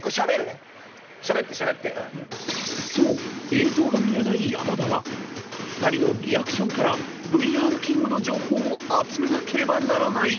映像が見えない山田は２人のリアクションからＶＲ−ＫＩＮＧの情報を集めなければならない］